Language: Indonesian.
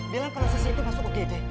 biar prosesi itu masuk ke gede